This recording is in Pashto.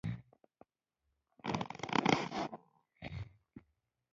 شريف او پروفيسر د کلي لار ونيوله.